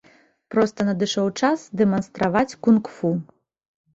Проста надышоў час дэманстраваць кунг-фу.